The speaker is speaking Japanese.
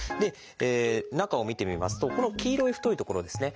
中を見てみますとこの黄色い太い所ですね